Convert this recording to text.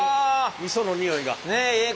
味噌のにおいが。